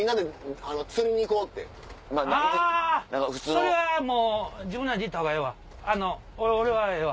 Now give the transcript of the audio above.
それはもう自分らで行ったほうがええわ。